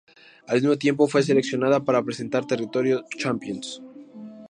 Al mismo tiempo, fue seleccionada para presentar "Territorio Champions".